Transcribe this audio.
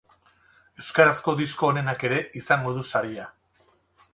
Euskarazko disko onenak ere izango du saria.